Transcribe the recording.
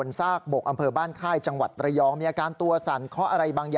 เล่าให้ฟัง